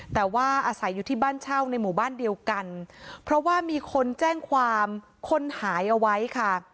แต่ว่าอาศัยอยู่ที่บ้านเช่าในหมู่บ้านเดียวกันเพราะว่ามีคนแจ้งความคนหายเอาไว้ค่ะ